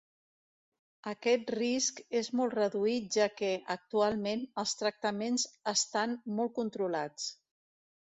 Aquest risc és molt reduït ja que, actualment, els tractaments estan molt controlats.